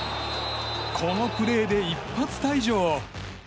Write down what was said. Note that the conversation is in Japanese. このプレーで、一発退場。